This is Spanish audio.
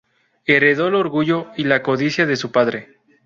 Heredó el orgullo y la codicia de su padre.